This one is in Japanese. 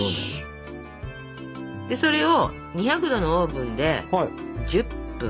それを２００℃のオーブンで１０分！